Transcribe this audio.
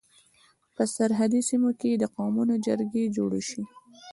په سرحدي سيمو کي د قومونو جرګي جوړي سي.